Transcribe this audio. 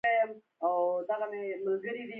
غلام محمد میمنګي ښوونځی د اطلاعاتو په چوکاټ کې جوړ شو.